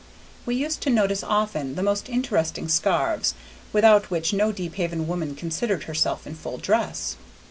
We used to notice often the most interesting scarfs, without which no Deephaven woman considered herself in full dress.